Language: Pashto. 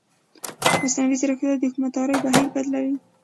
مصنوعي ځیرکتیا د حکومتدارۍ بهیر بدلوي.